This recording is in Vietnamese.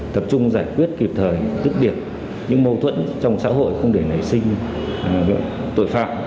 tập trung giải quyết kịp thời tức điểm những mâu thuẫn trong xã hội không để nảy sinh tội phạm